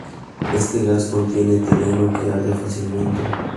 Este gas contiene etileno; que arde fácilmente.